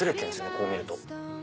こう見ると。